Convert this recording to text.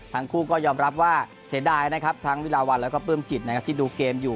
ทั้งคู่ก็ยอมรับว่าเสียดายนะครับทั้งวิลาวันแล้วก็ปลื้มจิตนะครับที่ดูเกมอยู่